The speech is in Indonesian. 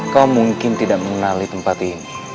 kau mungkin tidak mengenali tempat ini